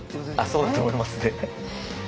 そうだと思いますね。